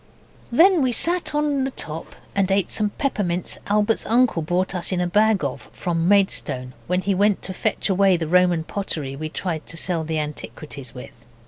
Then we sat on the top and ate some peppermints Albert's uncle brought us a bag of from Maidstone when he went to fetch away the Roman pottery we tried to sell the Antiquities with.